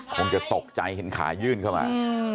คงจะตกใจเห็นขายื่นเข้ามา